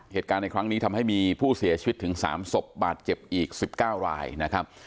เหตุการณ์ในครั้งนี้ทำให้มีผู้เสียชีวิตถึง๓ศพบาดเจ็บอีก๑๙รายนะครับ